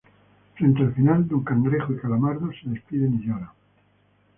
Frente al final, Don Cangrejo y Calamardo se despiden y lloran.